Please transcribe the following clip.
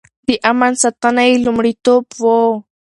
د امن ساتنه يې لومړيتوب و.